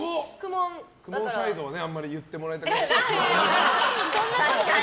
公文サイドはあんまり言ってもらいたくない。